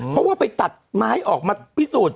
เพราะว่าไปตัดไม้ออกมาพิสูจน์